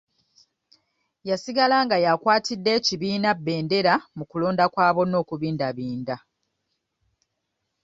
Yasigala nga yakwatidde ekibiina bbendera mu kulonda kwa bonna okubindabinda